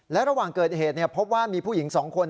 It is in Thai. และระหว่างเกิดเหตุพบว่ามีผู้หญิง๒คน